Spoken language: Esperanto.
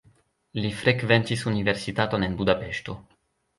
Li frekventis universitaton en Budapeŝto.